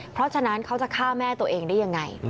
เพราะฉะนั้นเขาจะฆ่าแม่ตัวเองได้ยังไง